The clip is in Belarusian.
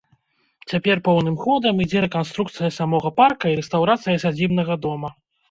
Цяпер поўным ходам ідзе рэканструкцыя самога парка і рэстаўрацыя сядзібнага дома.